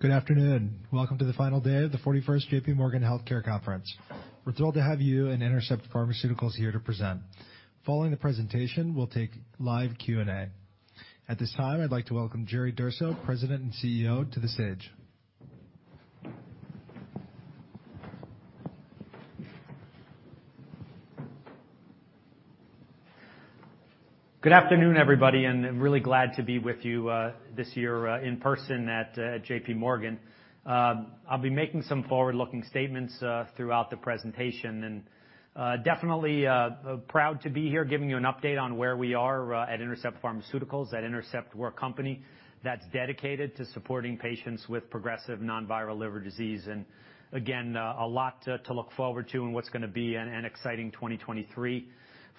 Good afternoon. Welcome to the final day of the 41st JPMorgan Healthcare Conference. We're thrilled to have you and Intercept Pharmaceuticals here to present. Following the presentation, we'll take live Q&A. At this time, I'd like to welcome Jerry Durso, President and CEO to the stage. Good afternoon, everybody, really glad to be with you this year in person at JPMorgan. I'll be making some forward-looking statements throughout the presentation, definitely proud to be here giving you an update on where we are at Intercept Pharmaceuticals. At Intercept, we're a company that's dedicated to supporting patients with progressive non-viral liver disease, again, a lot to look forward to in what's gonna be an exciting 2023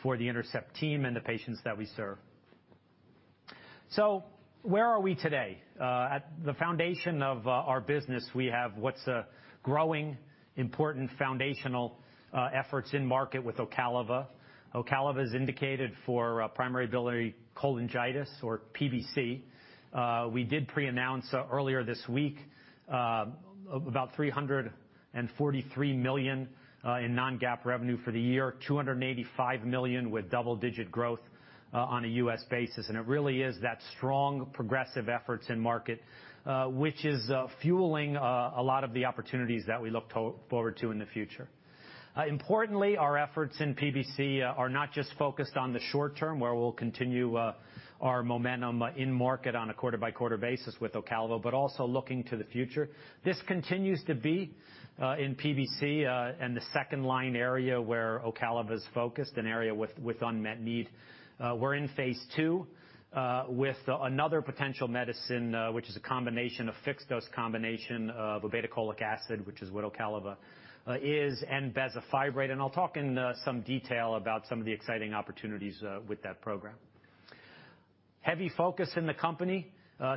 for the Intercept team and the patients that we serve. Where are we today? At the foundation of our business, we have what's a growing important foundational efforts in market with Ocaliva. Ocaliva is indicated for primary biliary cholangitis or PBC. We did preannounce earlier this week about $343 million in non-GAAP revenue for the year, $285 million with double-digit growth on a U.S. basis. It really is that strong progressive efforts in market which is fueling a lot of the opportunities that we look forward to in the future. Importantly, our efforts in PBC are not just focused on the short term, where we'll continue our momentum in market on a quarter-by-quarter basis with Ocaliva, but also looking to the future. This continues to be in PBC and the second line area where Ocaliva is focused, an area with unmet need. We're in phase II with another potential medicine, which is a fixed-dose combination of obeticholic acid, which is Ocaliva, and bezafibrate. I'll talk in some detail about some of the exciting opportunities with that program. Heavy focus in the company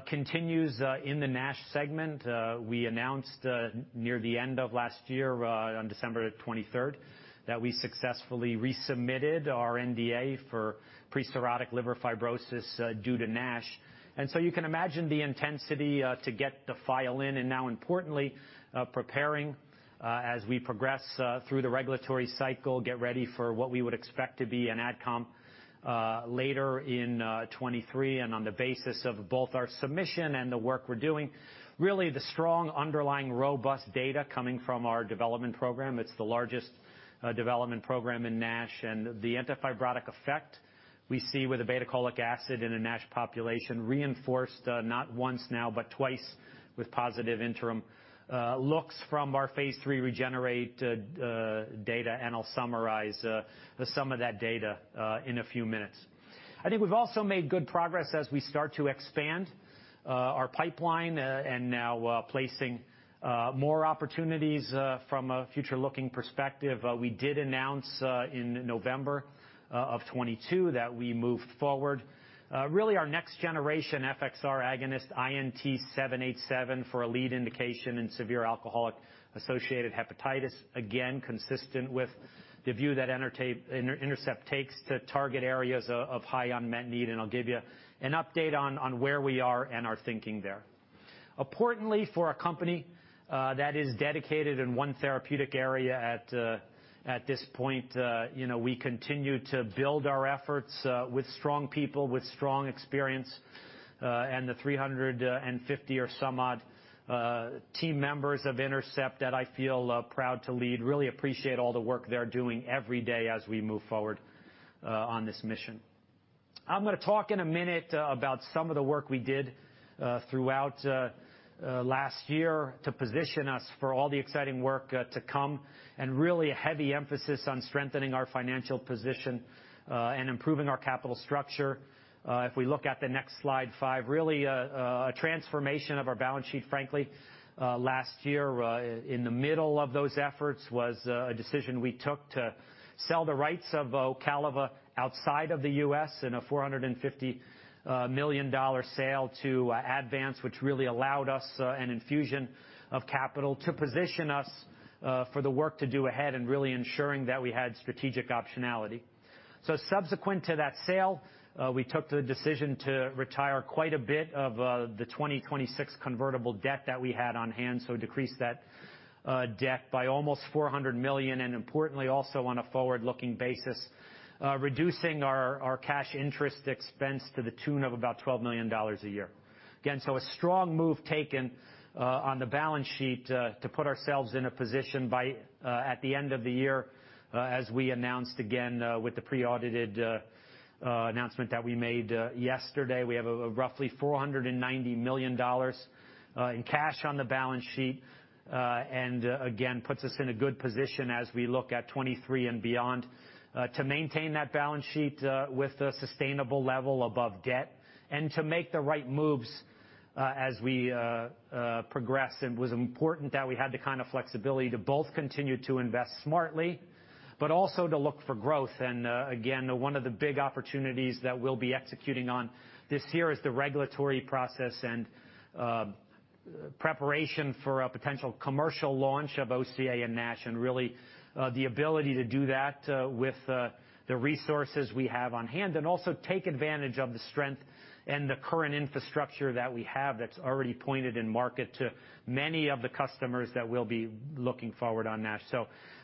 continues in the NASH segment. We announced near the end of last year, on December 23rd, that we successfully resubmitted our NDA for pre-cirrhotic liver fibrosis due to NASH. You can imagine the intensity to get the file in, and now importantly, preparing as we progress through the regulatory cycle, get ready for what we would expect to be an Advisory Committee later in 2023. On the basis of both our submission and the work we're doing, really the strong underlying robust data coming from our development program. It's the largest development program in NASH and the antifibrotic effect we see with obeticholic acid in a NASH population reinforced, not once now, but twice with positive interim looks from our phase III REGENERATE data. I'll summarize some of that data in a few minutes. I think we've also made good progress as we start to expand our pipeline and now placing more opportunities from a future-looking perspective. We did announce in November of 2022 that we moved forward, really our next generation FXR agonist, INT-787, for a lead indication in severe alcohol-associated hepatitis, again, consistent with the view that Intercept takes to target areas of high unmet need, and I'll give you an update on where we are and our thinking there. Importantly, for a company that is dedicated in one therapeutic area at this point, you know, we continue to build our efforts with strong people, with strong experience, and the 350 or some odd team members of Intercept that I feel proud to lead. Really appreciate all the work they're doing every day as we move forward on this mission. I'm gonna talk in a minute about some of the work we did throughout last year to position us for all the exciting work to come, and really a heavy emphasis on strengthening our financial position and improving our capital structure. If we look at the next slide 5, really a transformation of our balance sheet, frankly, last year. In the middle of those efforts was a decision we took to sell the rights of Ocaliva outside of the U.S. in a $450 million sale to Advanz, which really allowed us an infusion of capital to position us for the work to do ahead and really ensuring that we had strategic optionality. Subsequent to that sale, we took the decision to retire quite a bit of the 2026 convertible debt that we had on hand, so decreased that debt by almost $400 million, and importantly also on a forward-looking basis, reducing our cash interest expense to the tune of about $12 million a year. Again, a strong move taken on the balance sheet to put ourselves in a position by at the end of the year, as we announced again with the pre-audited announcement that we made yesterday. We have a roughly $490 million in cash on the balance sheet. Again, puts us in a good position as we look at 2023 and beyond, to maintain that balance sheet, with a sustainable level above debt and to make the right moves, as we progress. It was important that we had the kind of flexibility to both continue to invest smartly, but also to look for growth. Again, one of the big opportunities that we'll be executing on this year is the regulatory process and preparation for a potential commercial launch of OCA in NASH. Really, the ability to do that, with the resources we have on-hand, and also take advantage of the strength and the current infrastructure that we have that's already pointed in market to many of the customers that we'll be looking forward on NASH.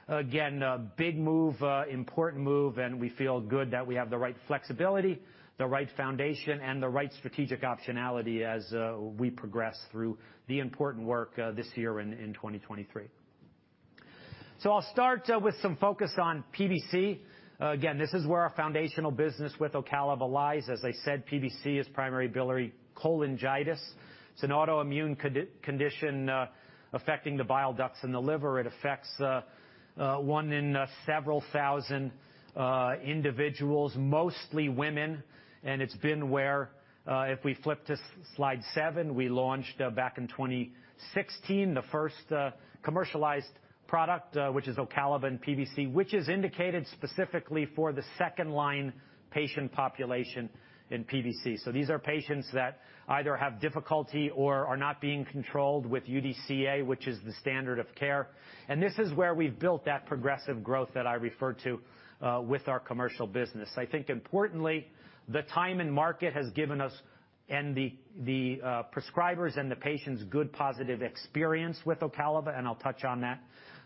Again, a big move, important move, and we feel good that we have the right flexibility, the right foundation, and the right strategic optionality as we progress through the important work this year in 2023. I'll start with some focus on PBC. Again, this is where our foundational business with Ocaliva lies. As I said, PBC is primary biliary cholangitis. It's an autoimmune condition affecting the bile ducts in the liver. It affects one in several thousand individuals, mostly women. It's been where, if we flip to slide 7, we launched back in 2016, the first commercialized product, which is Ocaliva in PBC, which is indicated specifically for the second-line patient population in PBC. These are patients that either have difficulty or are not being controlled with UDCA, which is the standard of care. This is where we've built that progressive growth that I referred to, with our commercial business. I think importantly, the time and market has given us and the prescribers and the patients good, positive experience with Ocaliva, and I'll touch on that.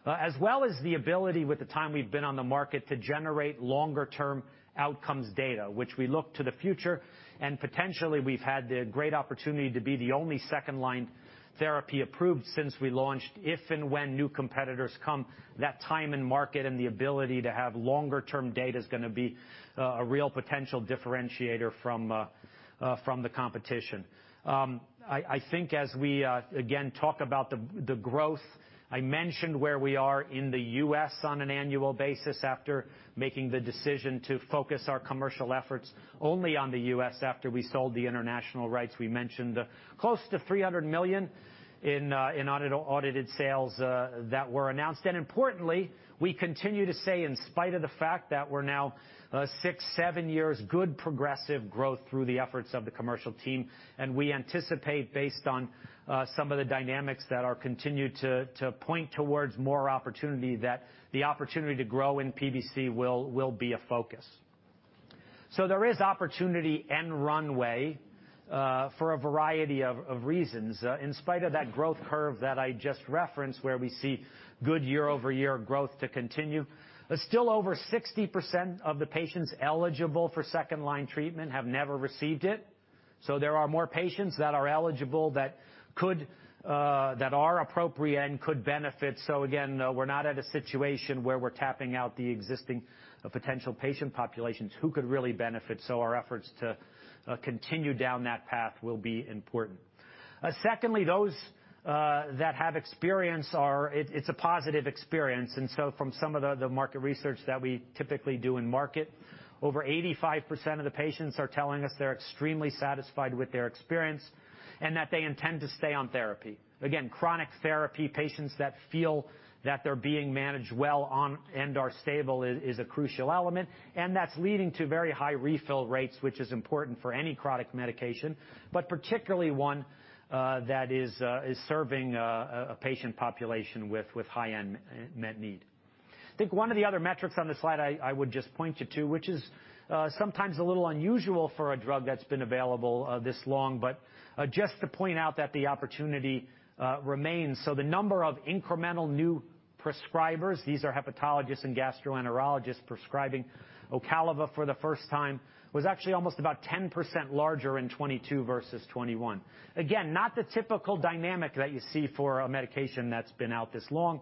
As well as the ability with the time we've been on the market to generate longer-term outcomes data, which we look to the future, and potentially we've had the great opportunity to be the only second-line therapy approved since we launched. If and when new competitors come, that time and market and the ability to have longer-term data is gonna be a real potential differentiator from the competition. I think as we again talk about the growth, I mentioned where we are in the U.S. on an annual basis after making the decision to focus our commercial efforts only on the U.S. after we sold the international rights. We mentioned close to $300 million in audited sales that were announced. Importantly, we continue to say, in spite of the fact that we're now 6, 7 years good progressive growth through the efforts of the commercial team. We anticipate based on some of the dynamics that are continued to point towards more opportunity that the opportunity to grow in PBC will be a focus. There is opportunity and runway for a variety of reasons, in spite of that growth curve that I just referenced, where we see good year-over-year growth to continue. Still over 60% of the patients eligible for second-line treatment have never received it. There are more patients that are eligible that could that are appropriate and could benefit. Again, we're not at a situation where we're tapping out the existing potential patient populations who could really benefit. Our efforts to continue down that path will be important. Secondly, those that have experience are. It's a positive experience. From some of the market research that we typically do in market, over 85% of the patients are telling us they're extremely satisfied with their experience, and that they intend to stay on therapy. Again, chronic therapy patients that feel that they're being managed well on and are stable is a crucial element, and that's leading to very high refill rates, which is important for any chronic medication. Particularly one that is serving a patient population with high unmet need. I think one of the other metrics on the slide I would just point you to, which is sometimes a little unusual for a drug that's been available this long, but just to point out that the opportunity remains. The number of incremental new prescribers, these are hepatologists and gastroenterologists prescribing Ocaliva for the first time, was actually almost about 10% larger in 2022 versus 2021. Again, not the typical dynamic that you see for a medication that's been out this long.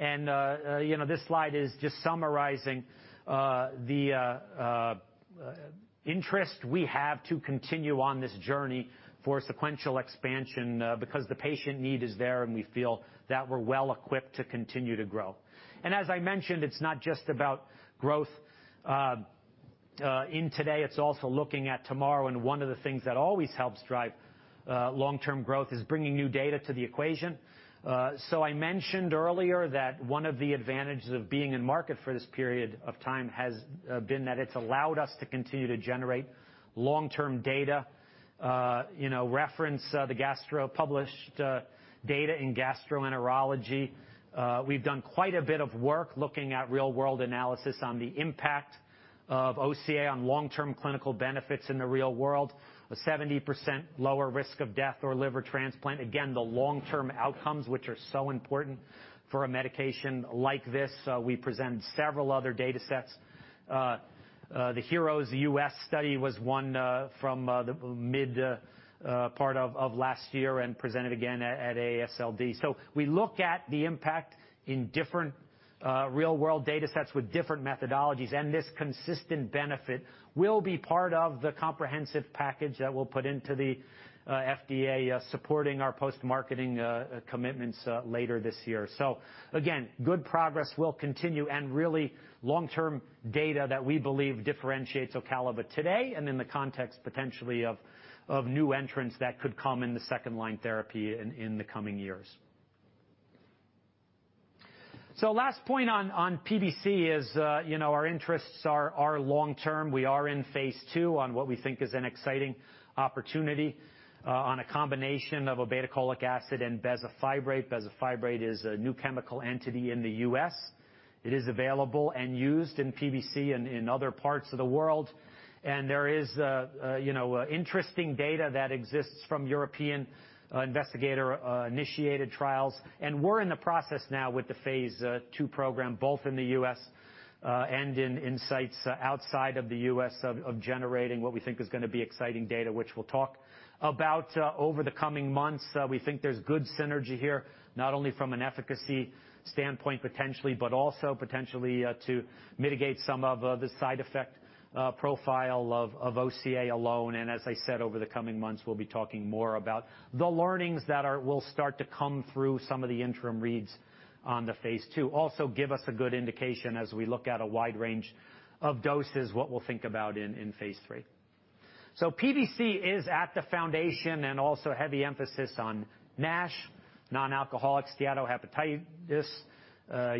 You know, this slide is just summarizing the interest we have to continue on this journey for sequential expansion because the patient need is there, and we feel that we're well equipped to continue to grow. As I mentioned, it's not just about growth in today, it's also looking at tomorrow, and one of the things that always helps drive long-term growth is bringing new data to the equation. I mentioned earlier that one of the advantages of being in market for this period of time has been that it's allowed us to continue to generate long-term data. You know, reference the published data in Gastroenterology. We've done quite a bit of work looking at real world analysis on the impact of OCA on long-term clinical benefits in the real world. A 70% lower risk of death or liver transplant. Again, the long-term outcomes, which are so important for a medication like this. We present several other datasets. The HEROES-US study was one from the mid part of last year and presented again at AASLD. We look at the impact in different real world datasets with different methodologies, and this consistent benefit will be part of the comprehensive package that we'll put into the FDA supporting our post-marketing commitments later this year. Again, good progress will continue and really long-term data that we believe differentiates Ocaliva today and in the context potentially of new entrants that could come in the second-line therapy in the coming years. Last point on PBC is, you know, our interests are long term. We are in phase II on what we think is an exciting opportunity on a combination of obeticholic acid and bezafibrate. Bezafibrate is a new chemical entity in the U.S. It is available and used in PBC in other parts of the world. There is, you know, interesting data that exists from European investigator initiated trials. We're in the process now with the phase II program, both in the U.S. and in insights outside of the U.S. of generating what we think is gonna be exciting data, which we'll talk about over the coming months. We think there's good synergy here, not only from an efficacy standpoint, potentially, but also potentially to mitigate some of the side effect profile of OCA alone. As I said, over the coming months, we'll be talking more about the learnings that will start to come through some of the interim reads on the phase II. Also give us a good indication as we look at a wide range of doses, what we'll think about in phase III. PBC is at the foundation and also heavy emphasis on NASH, non-alcoholic steatohepatitis.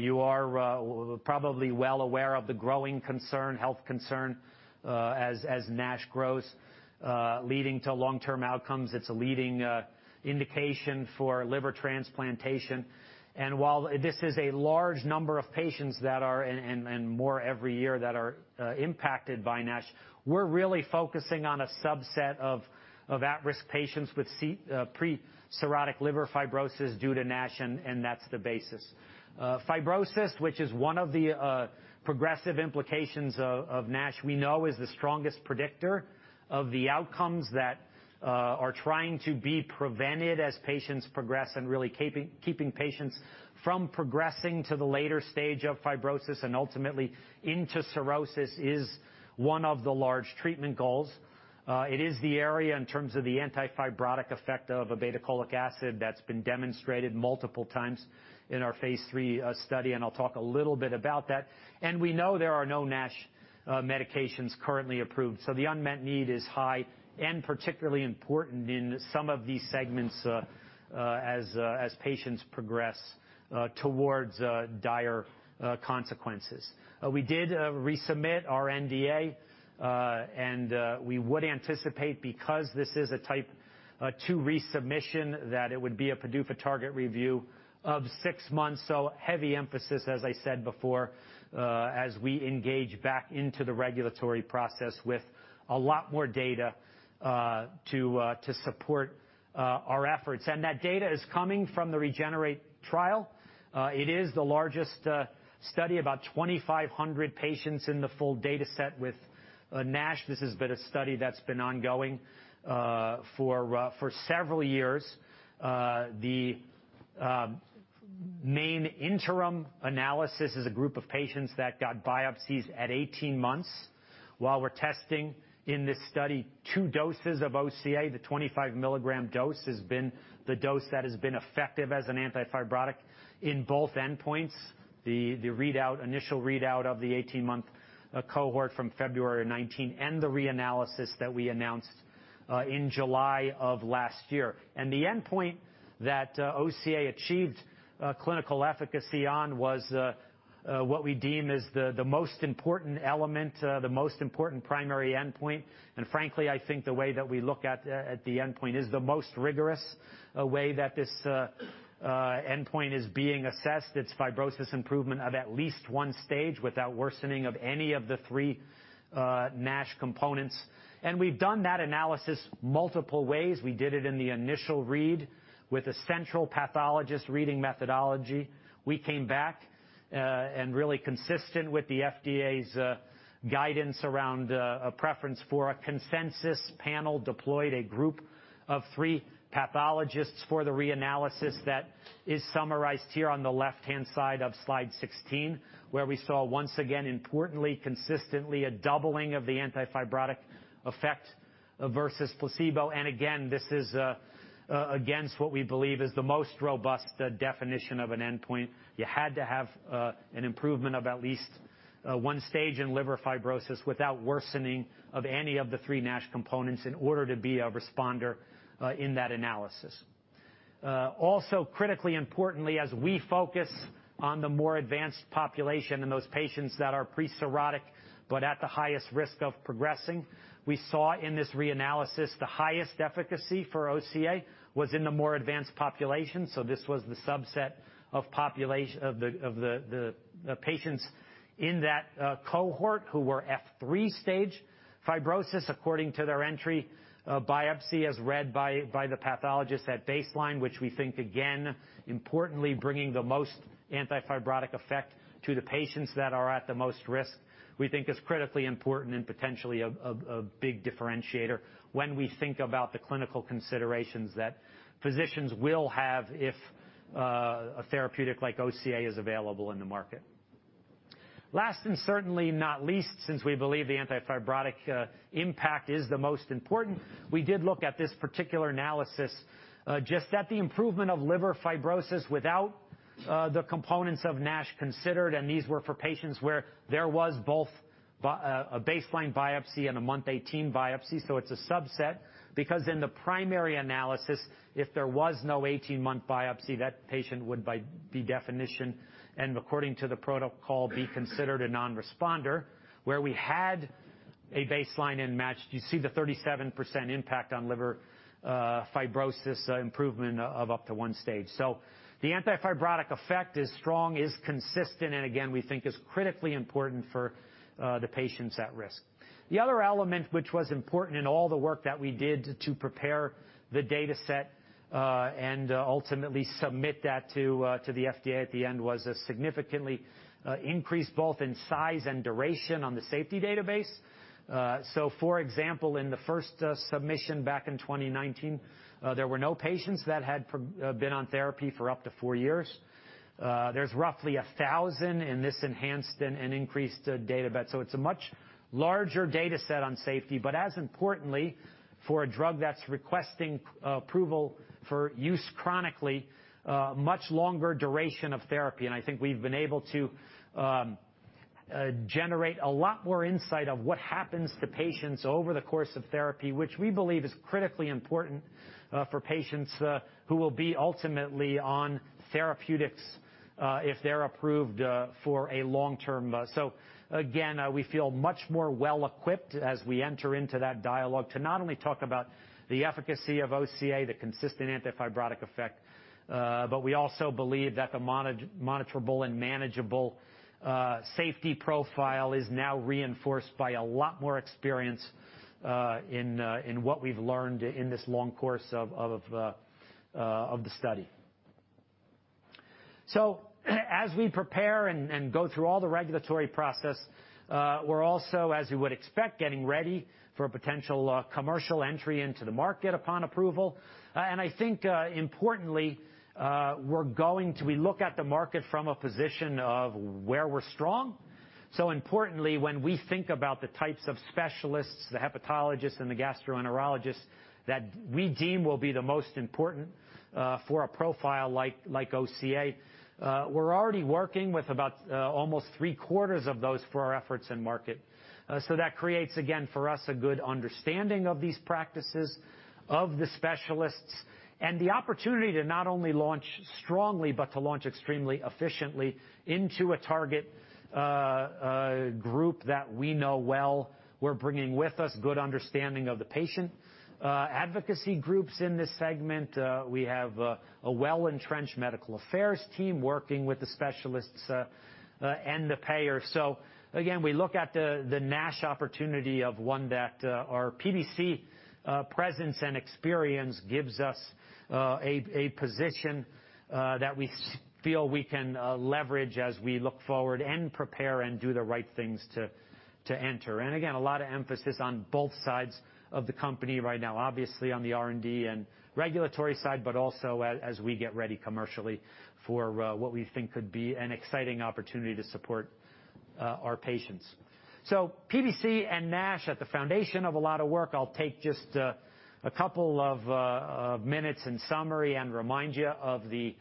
You are probably well aware of the growing concern, health concern, as NASH grows, leading to long-term outcomes. It's a leading indication for liver transplantation. While this is a large number of patients that are, and more every year that are impacted by NASH, we're really focusing on a subset of at-risk patients with pre-cirrhotic liver fibrosis due to NASH, and that's the basis. Fibrosis, which is one of the progressive implications of NASH, we know is the strongest predictor of the outcomes that are trying to be prevented as patients progress and really keeping patients from progressing to the later stage of fibrosis and ultimately into cirrhosis is one of the large treatment goals. It is the area in terms of the anti-fibrotic effect of obeticholic acid that's been demonstrated multiple times in our phase III study, and I'll talk a little bit about that. We know there are no NASH medications currently approved, so the unmet need is high and particularly important in some of these segments as patients progress towards dire consequences. We did resubmit our NDA, and we would anticipate because this is a type 2 resubmission that it would be a PDUFA target review of 6 months. Heavy emphasis, as I said before, as we engage back into the regulatory process with a lot more data to support our efforts. That data is coming from the REGENERATE trial. It is the largest study, about 2,500 patients in the full dataset with NASH. This has been a study that's been ongoing for several years. The main interim analysis is a group of patients that got biopsies at 18 months while we're testing in this study 2 doses of OCA. The 25 milligram dose has been the dose that has been effective as an anti-fibrotic in both endpoints. The readout, initial readout of the 18-month cohort from February 19, and the reanalysis that we announced in July of last year. The endpoint that OCA achieved clinical efficacy on was what we deem as the most important element, the most important primary endpoint. Frankly, I think the way that we look at the endpoint is the most rigorous way that this endpoint is being assessed. It's fibrosis improvement of at least one stage without worsening of any of the three NASH components. We've done that analysis multiple ways. We did it in the initial read with a central pathologist reading methodology. We came back, and really consistent with the FDA's guidance around a preference for a consensus panel deployed a group of three pathologists for the reanalysis that is summarized here on the left-hand side of slide 16, where we saw once again, importantly, consistently, a doubling of the anti-fibrotic effect versus placebo. Again, this is against what we believe is the most robust definition of an endpoint. You had to have an improvement of at least one stage in liver fibrosis without worsening of any of the three NASH components in order to be a responder in that analysis. Also critically importantly, as we focus on the more advanced population and those patients that are pre-cirrhotic but at the highest risk of progressing, we saw in this reanalysis the highest efficacy for OCA was in the more advanced population. This was the subset of the patients in that cohort who were F3 stage fibrosis, according to their entry biopsy as read by the pathologist at baseline, which we think again, importantly bringing the most anti-fibrotic effect to the patients that are at the most risk, we think is critically important and potentially a big differentiator when we think about the clinical considerations that physicians will have if a therapeutic like OCA is available in the market. Last and certainly not least, since we believe the anti-fibrotic impact is the most important, we did look at this particular analysis just at the improvement of liver fibrosis without the components of NASH considered, and these were for patients where there was both a baseline biopsy and a month 18 biopsy, so it's a subset. In the primary analysis, if there was no 18-month biopsy, that patient would by the definition and according to the protocol, be considered a non-responder. Where we had a baseline and matched, you see the 37% impact on liver fibrosis improvement of up to one stage. The anti-fibrotic effect is strong, is consistent, and again, we think is critically important for the patients at risk. The other element which was important in all the work that we did to prepare the dataset, and ultimately submit that to the FDA at the end was a significantly increase both in size and duration on the safety database. For example, in the first submission back in 2019, there were no patients that had been on therapy for up to 4 years. There's roughly 1,000 in this enhanced and increased dataset. It's a much larger dataset on safety, but as importantly for a drug that's requesting approval for use chronically, much longer duration of therapy. I think we've been able to generate a lot more insight of what happens to patients over the course of therapy, which we believe is critically important for patients who will be ultimately on therapeutics if they're approved for a long-term. Again, we feel much more well-equipped as we enter into that dialogue to not only talk about the efficacy of OCA, the consistent anti-fibrotic effect, but we also believe that the monitorable and manageable safety profile is now reinforced by a lot more experience in what we've learned in this long course of the study. As we prepare and go through all the regulatory process, we're also, as you would expect, getting ready for a potential commercial entry into the market upon approval. And I think, importantly, we look at the market from a position of where we're strong. Importantly, when we think about the types of specialists, the hepatologists, and the gastroenterologists that we deem will be the most important, for a profile like OCA, we're already working with about almost 3/4 of those for our efforts in market. That creates, again, for us, a good understanding of these practices, of the specialists, and the opportunity to not only launch strongly, but to launch extremely efficiently into a target group that we know well. We're bringing with us good understanding of the patient advocacy groups in this segment. We have a well-entrenched medical affairs team working with the specialists and the payor. Again, we look at the NASH opportunity of one that our PBC presence and experience gives us a position that we feel we can leverage as we look forward and prepare and do the right things to enter. Again, a lot of emphasis on both sides of the company right now, obviously on the R&D and regulatory side, but also as we get ready commercially for what we think could be an exciting opportunity to support our patients. PBC and NASH at the foundation of a lot of work, I'll take just a couple of minutes in summary and remind you of the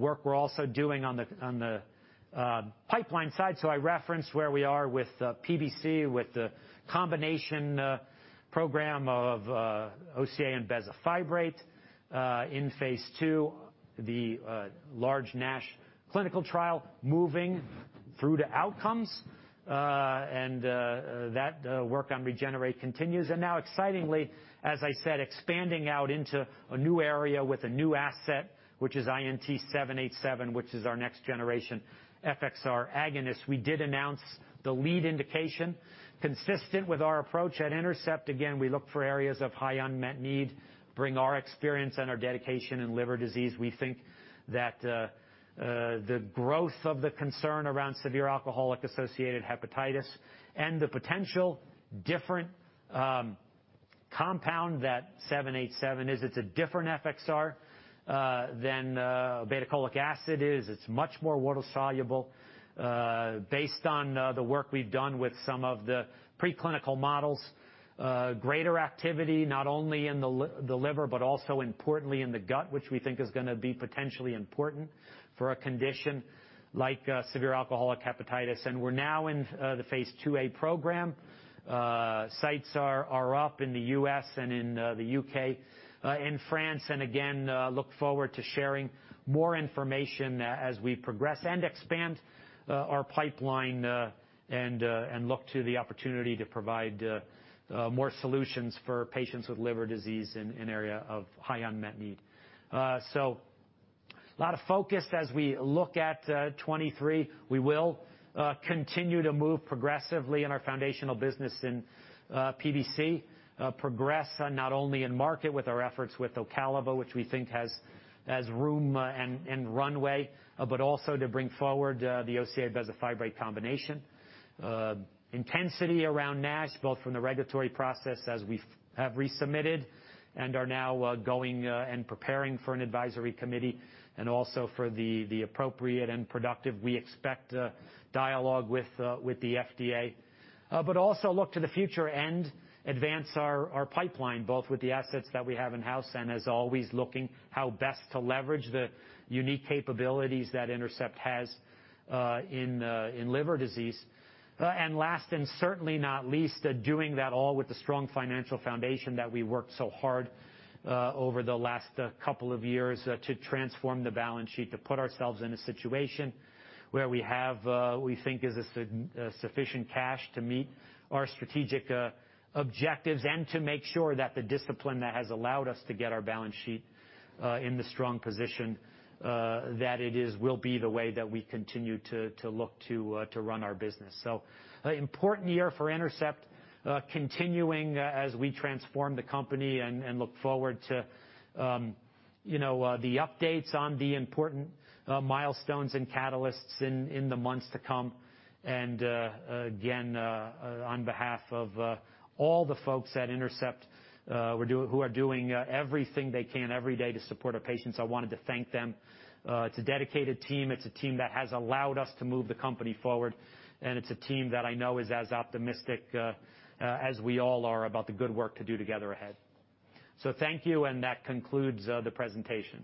work we're also doing on the pipeline side. I referenced where we are with PBC, with the combination program of OCA and bezafibrate in phase II. The large NASH clinical trial moving through to outcomes. That work on REGENERATE continues. Now excitingly, as I said, expanding out into a new area with a new asset, which is INT-787, which is our next generation FXR agonist. We did announce the lead indication consistent with our approach at Intercept. Again, we look for areas of high unmet need, bring our experience and our dedication in liver disease. We think that the growth of the concern around severe alcohol-associated hepatitis and the potential different compound that 787 is. It's a different FXR than obeticholic acid is. It's much more water-soluble. Based on the work we've done with some of the preclinical models, greater activity, not only in the liver, but also importantly in the gut, which we think is gonna be potentially important for a condition like severe alcohol-associated hepatitis. We're now in the phase IIA program. Sites are up in the U.S. and in the U.K., in France, and again, look forward to sharing more information as we progress and expand our pipeline and look to the opportunity to provide more solutions for patients with liver disease in an area of high unmet need. A lot of focus as we look at 2023. We will continue to move progressively in our foundational business in PBC. Progress, not only in market with our efforts with Ocaliva, which we think has room and runway, but also to bring forward the OCA bezafibrate combination. Intensity around NASH, both from the regulatory process as we have resubmitted and are now going and preparing for an Advisory Committee and also for the appropriate and productive, we expect, dialogue with the FDA. Also look to the future and advance our pipeline, both with the assets that we have in-house, and as always, looking how best to leverage the unique capabilities that Intercept has in liver disease. And last, and certainly not least, doing that all with the strong financial foundation that we worked so hard over the last couple of years to transform the balance sheet, to put ourselves in a situation where we have what we think is a sufficient cash to meet our strategic objectives and to make sure that the discipline that has allowed us to get our balance sheet in the strong position that it is, will be the way that we continue to look to run our business. An important year for Intercept, continuing as we transform the company and look forward to, you know, the updates on the important milestones and catalysts in the months to come. Again, on behalf of all the folks at Intercept, who are doing everything they can every day to support our patients, I wanted to thank them. It's a dedicated team. It's a team that has allowed us to move the company forward, and it's a team that I know is as optimistic as we all are about the good work to do together ahead. Thank you, and that concludes the presentation.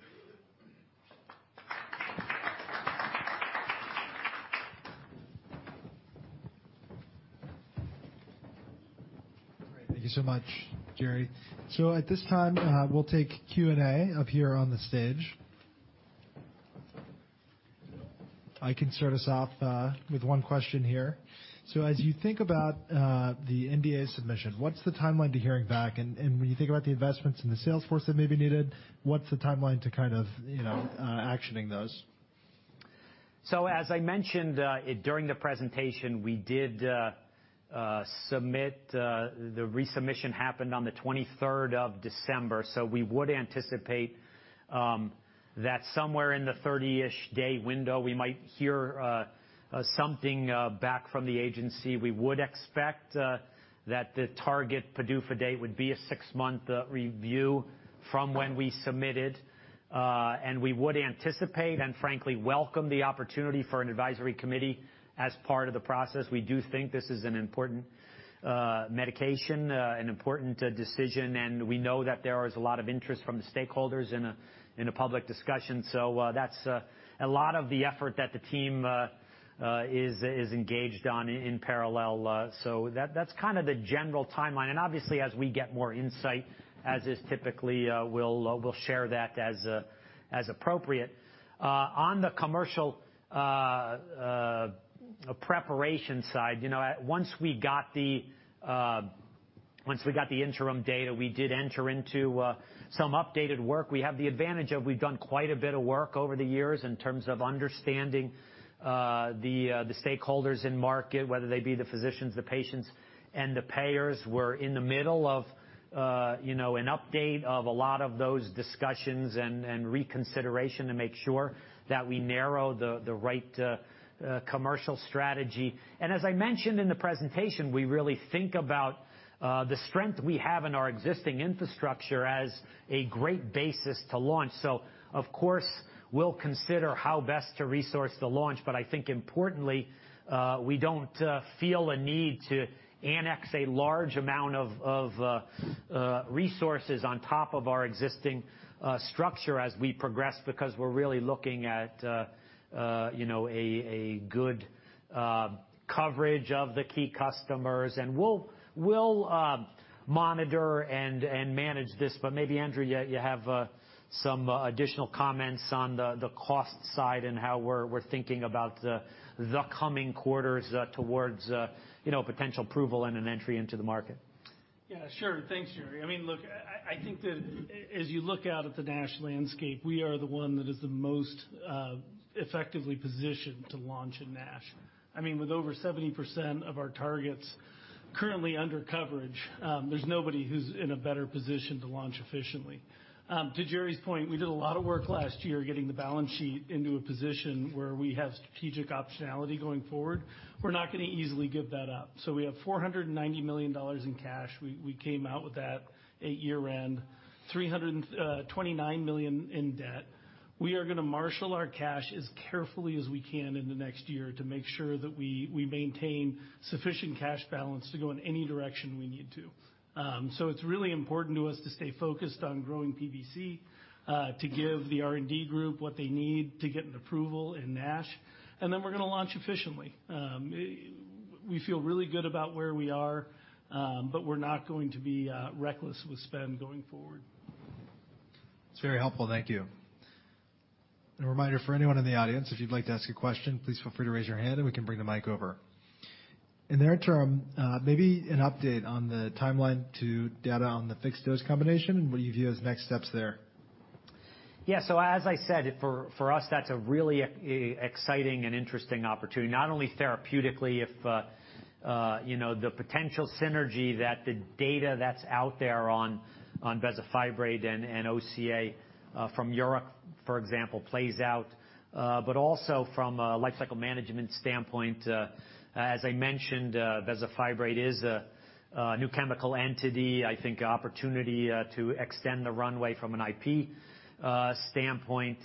Thank you so much, Jerry. At this time, we'll take Q&A up here on the stage. I can start us off with one question here. As you think about the NDA submission, what's the timeline to hearing back? And when you think about the investments in the sales force that may be needed, what's the timeline to kind of, you know, actioning those? As I mentioned, during the presentation, we did submit the resubmission happened on the 23rd of December. We would anticipate that somewhere in the 30-ish day window, we might hear something back from the agency. We would expect that the target PDUFA date would be a 6-month review from when we submitted. We would anticipate and frankly welcome the opportunity for an advisory committee as part of the process. We do think this is an important medication, an important decision, and we know that there is a lot of interest from the stakeholders in a public discussion. That's a lot of the effort that the team is engaged on in parallel. That's kind of the general timeline. Obviously, as we get more insight, as is typically, we'll share that as appropriate. On the commercial preparation side, you know, at once we got the once we got the interim data, we did enter into some updated work. We have the advantage of we've done quite a bit of work over the years in terms of understanding the stakeholders in market, whether they be the physicians, the patients, and the payers. We're in the middle of, you know, an update of a lot of those discussions and reconsideration to make sure that we narrow the right commercial strategy. As I mentioned in the presentation, we really think about the strength we have in our existing infrastructure as a great basis to launch. Of course, we'll consider how best to resource the launch. I think importantly, we don't feel a need to annex a large amount of resources on top of our existing structure as we progress, because we're really looking at, you know, a good coverage of the key customers. We'll monitor and manage this. Maybe Andrew, you have some additional comments on the cost side and how we're thinking about the coming quarters towards, you know, potential approval and an entry into the market. Yeah, sure. Thanks, Jerry. I mean, look, I think that as you look out at the NASH landscape, we are the one that is the most effectively positioned to launch in NASH. I mean, with over 70% of our targets currently under coverage, there's nobody who's in a better position to launch efficiently. To Jerry's point, we did a lot of work last year getting the balance sheet into a position where we have strategic optionality going forward. We're not gonna easily give that up. We have $490 million in cash. We came out with that at year-end, $329 million in debt. We are gonna marshal our cash as carefully as we can in the next year to make sure that we maintain sufficient cash balance to go in any direction we need to. It's really important to us to stay focused on growing PBC, to give the R&D group what they need to get an approval in NASH, and then we're gonna launch efficiently. We feel really good about where we are, but we're not going to be reckless with spend going forward. That's very helpful. Thank you. A reminder for anyone in the audience, if you'd like to ask a question, please feel free to raise your hand and we can bring the mic over. In the interim, maybe an update on the timeline to data on the fixed-dose combination and what you view as next steps there. As I said, for us, that's a really exciting and interesting opportunity, not only therapeutically, if, you know, the potential synergy that the data that's out there on bezafibrate and OCA from Europe, for example, plays out. Also from a lifecycle management standpoint, as I mentioned, bezafibrate is a new chemical entity, I think opportunity, to extend the runway from an IP standpoint.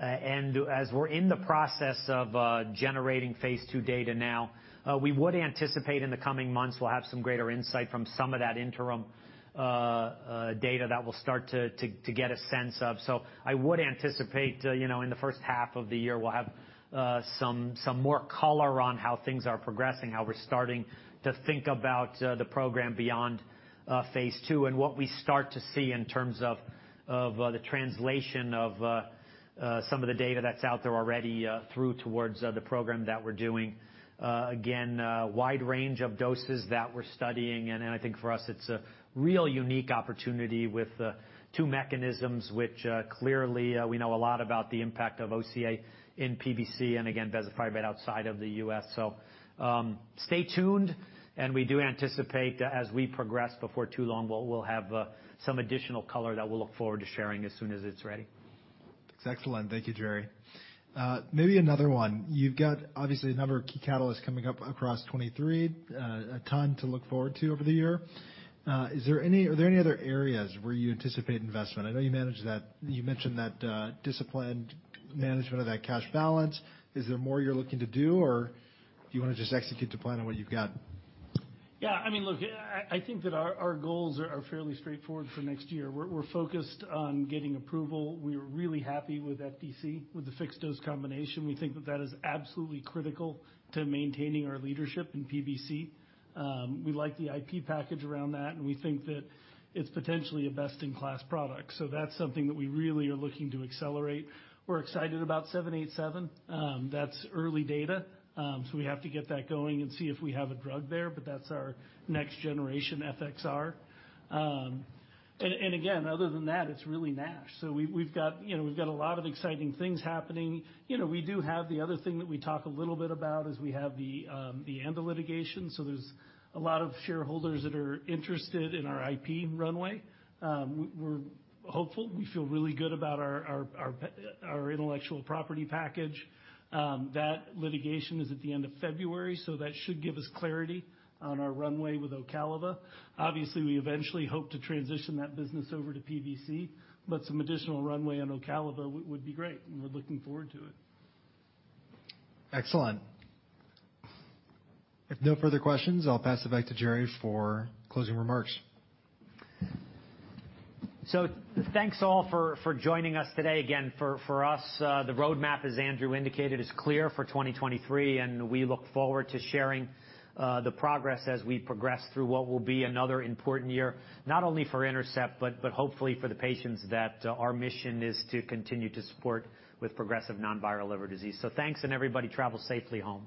As we're in the process of generating phase II data now, we would anticipate in the coming months we'll have some greater insight from some of that interim data that we'll start to get a sense of. I would anticipate, you know, in the first half of the year, we'll have some more color on how things are progressing, how we're starting to think about the program beyond phase II. What we start to see in terms of the translation of some of the data that's out there already through towards the program that we're doing. Again, a wide range of doses that we're studying. I think for us, it's a real unique opportunity with two mechanisms which clearly we know a lot about the impact of OCA in PBC, and again, bezafibrate outside of the U.S. Stay tuned. We do anticipate, as we progress before too long, we'll have some additional color that we'll look forward to sharing as soon as it's ready. That's excellent. Thank you, Jerry. Maybe another one. You've got obviously a number of key catalysts coming up across 2023, a ton to look forward to over the year. Are there any other areas where you anticipate investment? I know you mentioned that, disciplined management of that cash balance. Is there more you're looking to do, or do you wanna just execute the plan on what you've got? Yeah. I mean, look, I think that our goals are fairly straightforward for next year. We're focused on getting approval. We're really happy with FDC, with the fixed dose combination. We think that that is absolutely critical to maintaining our leadership in PBC. We like the IP package around that, and we think that it's potentially a best-in-class product. That's something that we really are looking to accelerate. We're excited about INT-787. That's early data, we have to get that going and see if we have a drug there, but that's our next generation FXR. Again, other than that, it's really NASH. We've got, you know, we've got a lot of exciting things happening. You know, we do have the other thing that we talk a little bit about is we have the ANDA litigation. There's a lot of shareholders that are interested in our IP runway. We're hopeful. We feel really good about our intellectual property package. That litigation is at the end of February. That should give us clarity on our runway with Ocaliva. Obviously, we eventually hope to transition that business over to PBC, but some additional runway on Ocaliva would be great, and we're looking forward to it. Excellent. If no further questions, I'll pass it back to Jerry for closing remarks. Thanks all for joining us today. Again, for us, the roadmap, as Andrew indicated, is clear for 2023, and we look forward to sharing the progress as we progress through what will be another important year, not only for Intercept, but hopefully for the patients that our mission is to continue to support with progressive non-viral liver disease. Thanks, and everybody travel safely home.